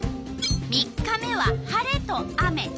３日目は晴れと雨。